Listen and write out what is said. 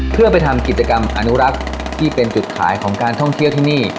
เพื่อไปทำกิจกรรมอนุรักษ์ที่เป็นจุดขายของการท่องเที่ยวที่นี่